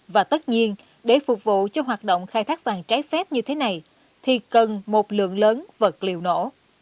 và tất nhiên để phục vụ cho hoạt động khai thác vàng trái phép như thế này thì cần một lượng lớn vật liệu nổ